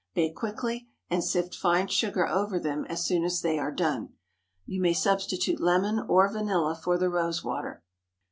Bake quickly, and sift fine sugar over them as soon as they are done. You may substitute lemon or vanilla for the rose water.